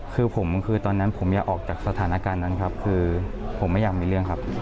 คือผมคือตอนนั้นผมอยากออกจากสถานการณ์นั้นครับคือผมไม่อยากมีเรื่องครับ